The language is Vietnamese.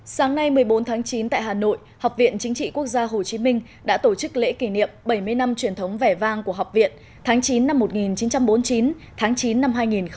sáng nay một mươi bốn tháng chín tại hà nội học viện chính trị quốc gia hồ chí minh đã tổ chức lễ kỷ niệm bảy mươi năm truyền thống vẻ vang của học viện tháng chín năm một nghìn chín trăm bốn mươi chín tháng chín năm hai nghìn một mươi chín